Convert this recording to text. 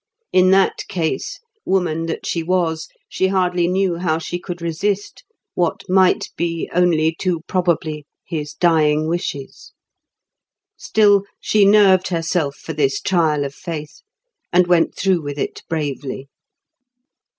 In that case, woman that she was, she hardly knew how she could resist what might be only too probably his dying wishes. Still, she nerved herself for this trial of faith, and went through with it bravely.